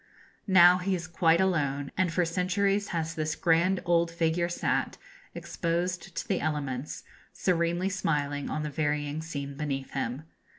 Now he is quite alone; and for centuries has this grand old figure sat, exposed to the elements, serenely smiling on the varying scene beneath him.